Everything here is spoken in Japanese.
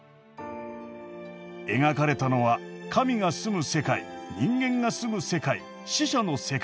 描かれたのは神がすむ世界人間が住む世界死者の世界。